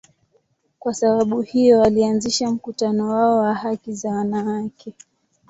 Kwa sababu hiyo, walianzisha mkutano wao wa haki za wanawake.